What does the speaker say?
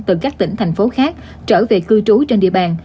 từ các tỉnh thành phố khác trở về cư trú trên địa bàn